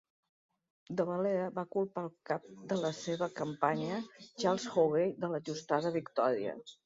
De Valera va culpar el cap de la seva campanya, Charles Haughey, de l'ajustada victòria.